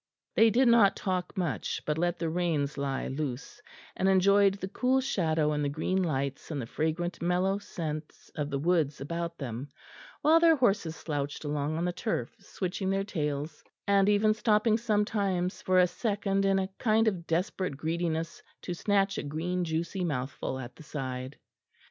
They did not talk much, but let the reins lie loose; and enjoyed the cool shadow and the green lights and the fragrant mellow scents of the woods about them; while their horses slouched along on the turf, switching their tails and even stopping sometimes for a second in a kind of desperate greediness to snatch a green juicy mouthful at the side.